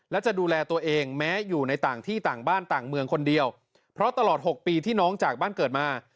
และจะดูแลตัวเองแม้อยู่ในต่างที่ต่างบ้านต่างเมืองคนเดียวเพราะตลอด๖ปีที่น้องจากบ้านเกิดมา